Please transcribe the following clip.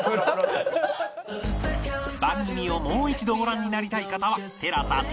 番組をもう一度ご覧になりたい方は ＴＥＬＡＳＡＴＶｅｒ で配信